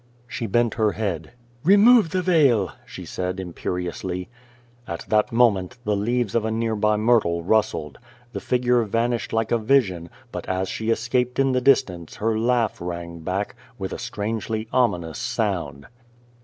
'' She bent her head. "Remove the veil!" she said, imperi ously. At that moment the leaves of a nearby myrtle rustled. The figure vanished like a vision, but as she escai)cd in. the distance her laugh rang back, with a strangely ominous sound.